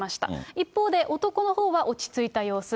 一方で男のほうは落ち着いた様子。